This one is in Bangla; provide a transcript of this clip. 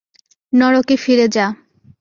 নরকে ফিরে যা।